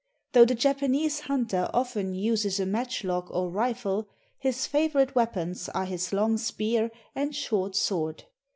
Though the Japanese hunter often uses a matchlock or rifle, his favorite weapons are his long spear and short sword.